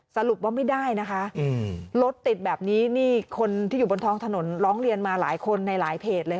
สรุปว่าไม่ได้นะคะรถติดแบบนี้นี่คนที่อยู่บนท้องถนนร้องเรียนมาหลายคนในหลายเพจเลย